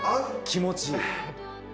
気持ちいい。